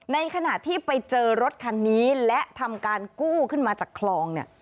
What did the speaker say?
ในขณะที่ไปเจอรถคันนี้และทำการกู้ขึ้นมาจากคลองเนี่ย